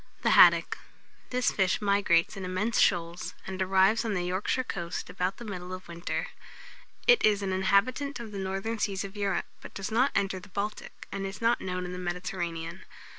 [Illustration: THE HADDOCK.] THE HADDOCK. This fish migrates in immense shoals, and arrives on the Yorkshire coast about the middle of winter. It is an inhabitant of the northern seas of Europe, but does not enter the Baltic, and is not known in the Mediterranean.